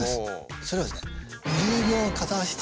それはですね